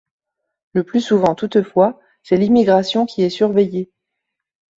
Le plus souvent toutefois, c'est l'immigration qui est surveillée.